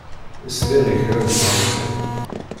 Sliɣ i kra n tɣawsa.